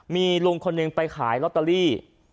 มีลุงคนหนึ่งไปขายลอตเตอรี่